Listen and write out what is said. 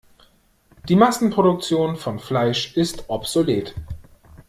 Die Massenproduktion von Fleisch ist obsolet.